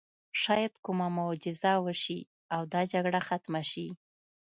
شاید کومه معجزه وشي او دا جګړه ختمه شي